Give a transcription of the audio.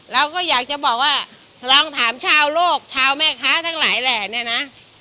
เราก็อยากจะบอกว่าลองถามชาวโลกชาวแม่ค้าทั้งหลายแหล่เนี่ยนะ